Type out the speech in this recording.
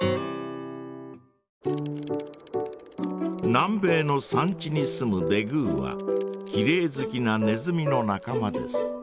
南米の山地に住むデグーはきれい好きなネズミの仲間です。